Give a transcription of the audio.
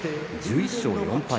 １１勝４敗。